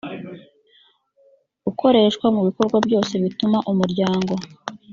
ukoreshwa mu bikorwa byose bituma umuryango